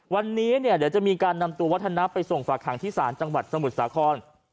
วันนี้เนี่ยเดี๋ยวจะมีการนำตัววัฒนะไปส่งฝากหางที่ศาลจังหวัดสมุทรสาคร